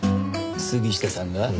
杉下さんが？